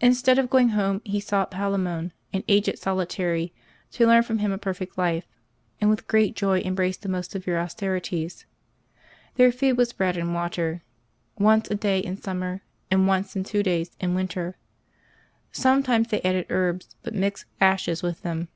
Instead of going home, he sought Palemon, an aged soli tary, to learn from him a perfect life, and with great joy embraced the most severe austerities. Their food was bread and water, once a day in summer, and once in two days in winter; sometimes they added herbs, but mixed ashes with them.